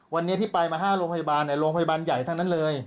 วันนี้ที่ไปมา๕โรงพยาบาลโรงพยาบาลใหญ่ทั้งนั้นเลย